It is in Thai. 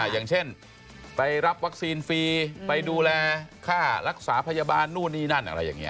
อย่างเช่นไปรับวัคซีนฟรีไปดูแลค่ารักษาพยาบาลนู่นนี่นั่นอะไรอย่างนี้